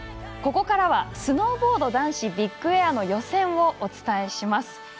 ここからはスノーボード男子ビッグエアの予選をお伝えします。